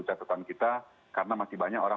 catatan kita karena masih banyak orang